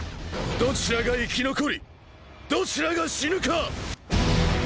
どちらが生き残りどちらが死ぬか。